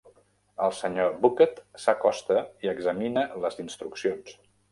El senyor Bucket s'acosta i examina les instruccions.